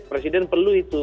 presiden perlu itu